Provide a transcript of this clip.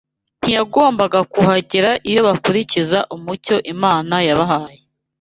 ntiyagombaga kuhagera iyo bakurikiza umucyo Imana yabahaye